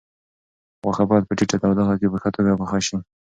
غوښه باید په ټیټه تودوخه کې په ښه توګه پخه شي.